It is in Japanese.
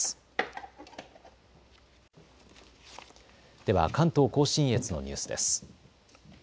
では関東甲信越のニュースです。